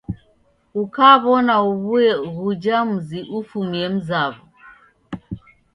Ukaw'ona uw'ue ghuja muzi ufumie mzaw'o.